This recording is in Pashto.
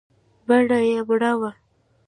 بڼه يې مړه وه .